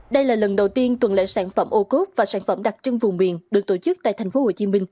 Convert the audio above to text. đây là lần đầu tiên tuần lệ sản phẩm ô cốt và sản phẩm đặc trưng vùng miền được tổ chức tại tp hcm